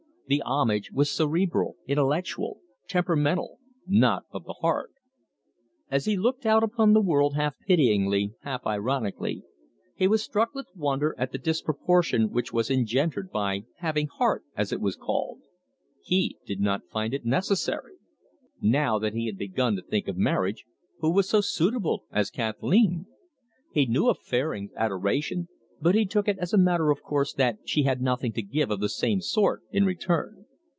The homage was cerebral, intellectual, temperamental, not of the heart. As he looked out upon the world half pityingly, half ironically, he was struck with wonder at the disproportion which was engendered by "having heart," as it was called. He did not find it necessary. Now that he had begun to think of marriage, who so suitable as Kathleen? He knew of Fairing's adoration, but he took it as a matter of course that she had nothing to give of the same sort in return.